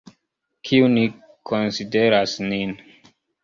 Kiu ni konsideras nin?